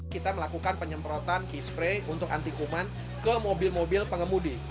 kita melakukan penyemprotan key spray untuk anti kuman ke mobil mobil pengemudi